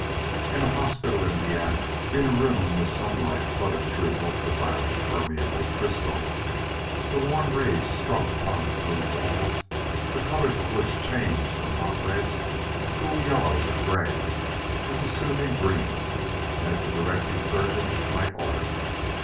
] In a hospital in Vienna, in a room where sunlight flooded through ultraviolet permeable crystal, the warm rays struck upon smooth walls the color of which changed from hot reds to cool yellow or gray or to soothing green, as the Directing Surgeon might order.